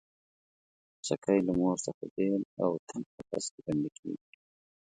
خوسکی له مور څخه بېل او تنګ قفس کې بندي کېږي.